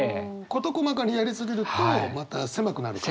事細かにやり過ぎるとまた狭くなるから。